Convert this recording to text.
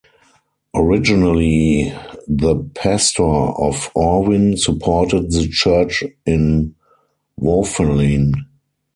Originally the pastor of Orvin supported the church in Vauffelin.